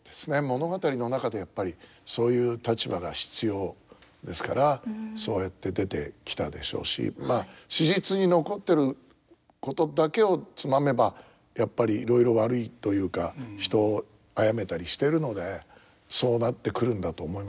物語の中でやっぱりそういう立場が必要ですからそうやって出てきたでしょうしまあ史実に残ってることだけをつまめばやっぱりいろいろ悪いというか人を殺めたりしてるのでそうなってくるんだと思いますけど。